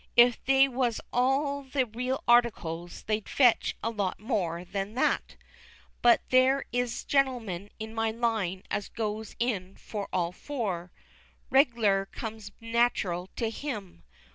If they was all the real articles, they'd fetch a lot more than that; but there is gentlemen in my line as goes in for all four reg'lar comes nateral to 'em.